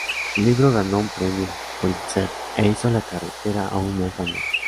El libro ganó un premio Pulitzer e hizo la carretera aún más famosa.